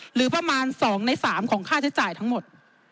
หรือประมาณ๒ใน๓ของค่าใช้จ่ายทั้งหมด